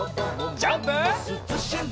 ジャンプ！